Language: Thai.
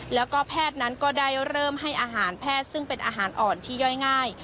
แล้วก็แพทย์นั้นก็ได้เริ่มให้อาหารแพทย์ซึ่งเป็นอาหารอ่อนที่ย่อยง่าย